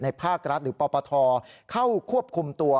ภาครัฐหรือปปทเข้าควบคุมตัว